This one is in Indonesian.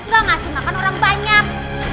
gak ngasih makan orang banyak